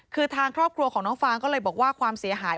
คือทางครอบครัวของน้องฟางก็เลยบอกว่าความเสียหาย